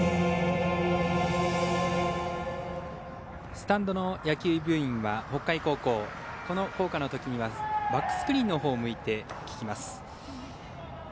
スタンドの野球部員は北海高校、この校歌のときにはバックスクリーンのほうを向いて聴きます。